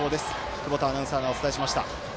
久保田アナウンサーがお伝えしました。